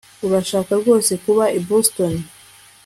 Urashaka rwose kuba i Boston